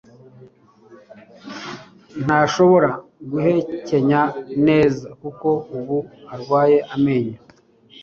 Ntashobora guhekenya neza, kuko ubu arwaye amenyo.